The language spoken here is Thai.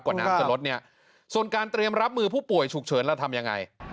น้ำจะลดเนี่ยส่วนการเตรียมรับมือผู้ป่วยฉุกเฉินแล้วทำยังไง